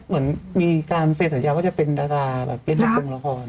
เหมือนมีการเซ็นสัญญาว่าจะเป็นดาราแบบเล่นละครงละคร